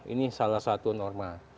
ini salah satu norma